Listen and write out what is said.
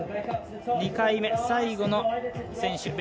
２回目、最後の選手